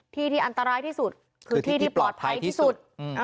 ที่ที่อันตรายที่สุดคือที่ที่ปลอดภัยที่สุด